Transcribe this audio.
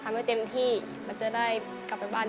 ทำให้เต็มที่มันจะได้กลับไปบ้าน